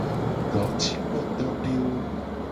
Dojikpotodewo.